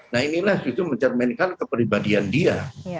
nah inilah yang mencerminkan keperibadian dia